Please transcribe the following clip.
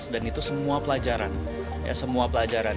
dan itu semua pelajaran